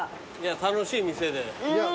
楽しい店で。